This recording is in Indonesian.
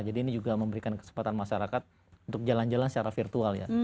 jadi ini juga memberikan kesempatan masyarakat untuk jalan jalan secara virtual ya